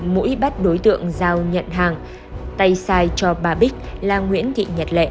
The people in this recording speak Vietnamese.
mũi bắt đối tượng giao nhận hàng tay sai cho bà bích là nguyễn thị nhật lệ